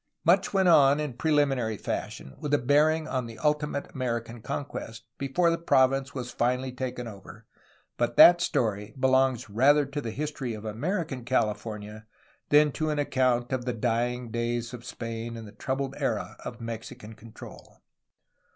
Much went on in preliminary fashion, with a bearing on the ultimate American conquest, before the province was finally taken over, but that story belongs rather to the history of American California than to an account of the dying days of Spain and the troubled era of Mexican control.